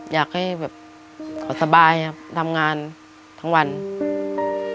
อยากให้สบายครับทำงานทั้งวันครับ